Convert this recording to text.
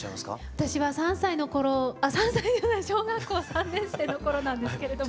私は３歳の頃あっ３歳じゃない小学校３年生の頃なんですけれども。